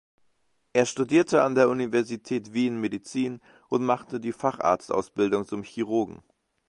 Er studierte an der Universität Wien Medizin und machte die Facharztausbildung zum Chirurgen.